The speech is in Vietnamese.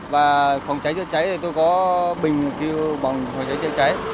và phòng cháy chữa cháy thì tôi có bình bằng phòng cháy chữa cháy